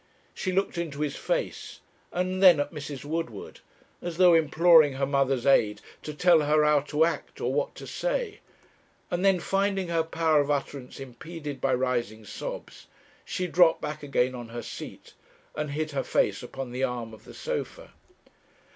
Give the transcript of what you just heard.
She looked into his face, and then at Mrs. Woodward, as though imploring her mother's aid to tell her how to act or what to say; and then finding her power of utterance impeded by rising sobs, she dropped back again on her seat, and hid her face upon the arm of the sofa.